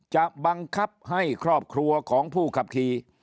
จะบังคับให้ครอบครัวของผู้ขับขี่